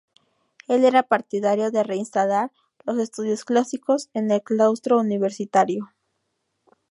Él era partidario de reinstalar los estudios clásicos en el claustro universitario.